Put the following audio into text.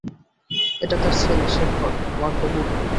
এটা তার ছেলে, শেখর, আমার হবু বর।